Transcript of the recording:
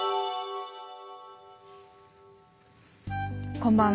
こんばんは。